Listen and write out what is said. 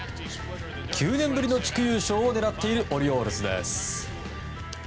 ９年ぶりの地区優勝を狙っているオリオールズです。